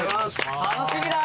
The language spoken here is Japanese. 楽しみだ！